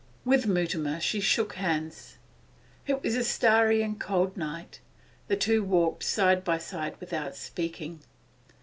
With Mutimer she shook hands. It was a starry and cold night. The two walked side by side without speaking.